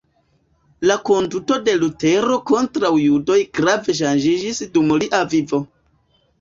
La konduto de Lutero kontraŭ judoj grave ŝanĝiĝis dum lia vivo.